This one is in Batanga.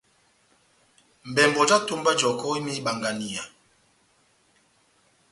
Mbɛmbɔ já etómba jɔkɔ́ imɛndɛndi ibanganiya.